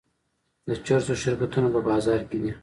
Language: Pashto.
د چرسو شرکتونه په بازار کې دي.